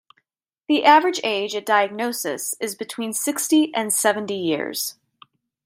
The average age at diagnosis is between sixty and seventy years.